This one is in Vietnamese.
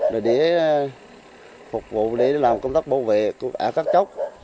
rồi để phục vụ để làm công tác bảo vệ ở các chốc